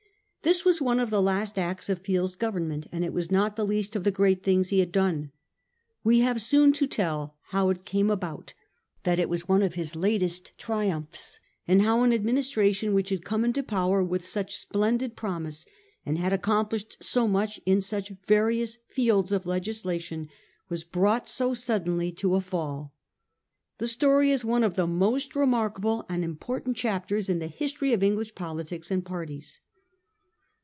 This was one of the last acts of Peel's Government, and it was not the least of the great things he had done. We have soon to tell how it came about that it was one of his latest triumphs, and how an Administration which had come into power with such splendid pro mise, and had accomplished so much in such various fields of legislation, was brought so suddenly to a fall. The story is one of the most remarkable and impor tant chapters in the history of English politics and parties.